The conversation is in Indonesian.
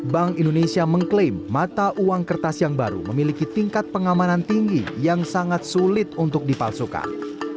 bank indonesia mengklaim mata uang kertas yang baru memiliki tingkat pengamanan tinggi yang sangat sulit untuk dipalsukan